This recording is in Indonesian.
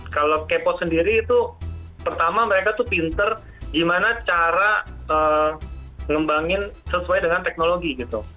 kalau k pop sendiri itu pertama mereka tuh pinter gimana cara ngembangin sesuai dengan teknologi gitu